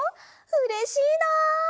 うれしいな！